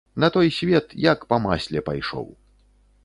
На той свет, як па масле, пайшоў.